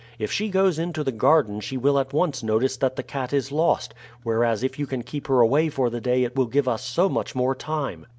If she goes into the garden she will at once notice that the cat is lost; whereas if you can keep her away for the day it will give us so much more time."